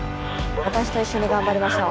私と一緒にがんばりましょう。